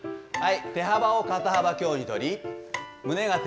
はい。